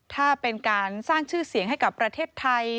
ถ้าเป็นการสร้างชื่อเสียงให้กับประเทศไทย